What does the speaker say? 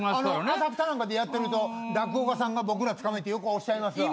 浅草なんかでやってると落語家さんが僕らつかまえてよくおっしゃいますわ。